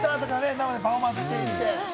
生でパフォーマンスしてみて。